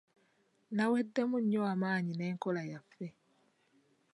Naweddemu nnyo amaanyi n'enkola yaffe.